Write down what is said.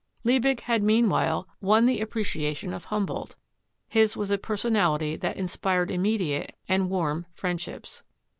Liebig had meanwhile won the appreciation of Humboldt; his was a personality that inspired immediate and warm friendships.